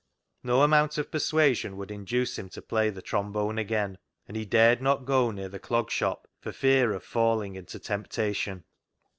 No amount of persuasion would induce him to play the trombone again, and he dared not go near the Clog Shop for fear of falling into temptation.